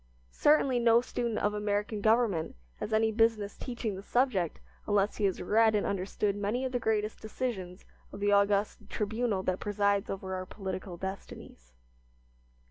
Certainly, no student of American government has any business teaching the subject unless he has read and understood many of the greatest decisions of the august tribunal that presides over our political destinies.